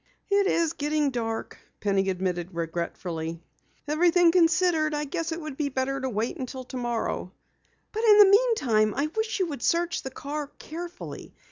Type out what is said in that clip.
"It is getting dark," Penny admitted regretfully. "Everything considered, I guess it would be better to wait until tomorrow. But in the meantime, I wish you would search the car carefully.